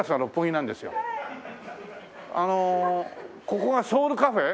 ここがソウルカフェ？